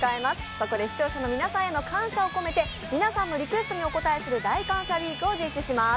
そこで視聴者の皆さんへの感謝を込めて、皆さんのリクエストにお応えする大感謝ウィークを始めます。